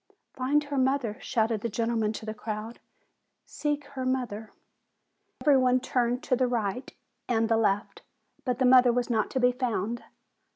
"Find her mother!" shouted the gentleman to the crowd; "seek her mother!" And every one turned to the right and the left; but the mother was not to be found.